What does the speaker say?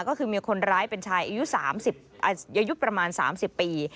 ก็คือมีคนร้ายเป็นชายอายุประมาณ๓๐ปี